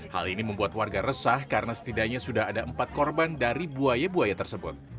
hal ini membuat warga resah karena setidaknya sudah ada empat korban dari buaya buaya tersebut